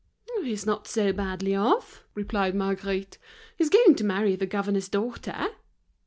"He's not so badly off," replied Marguerite, "he's going to marry the governor's daughter."